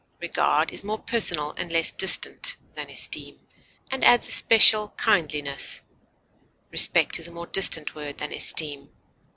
Regard is more personal and less distant than esteem, and adds a special kindliness; respect is a more distant word than esteem.